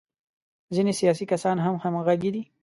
ځینې سیاسي کسان هم همغږي دي.